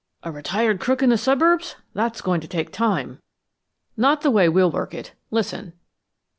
"A retired crook in the suburbs. That's going to take time." "Not the way we'll work it. Listen."